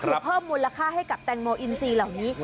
แก้มก็มนต์ราคาให้กับแตงโมเอีนซีเหล่านี้